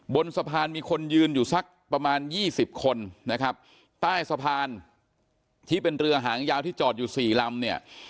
บนสะพานมีคนยืนอยู่สักประมาณยี่สิบคนนะครับใต้สะพานที่เป็นเรือหางยาวที่จอดอยู่สี่ลำเนี่ย